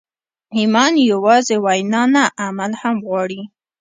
ایمان یوازې وینا نه، عمل هم غواړي.